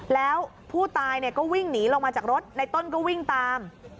แล้วผู้ตายก็วิ่งหนีลงมาจากรถในต้นก็วิ่งตาม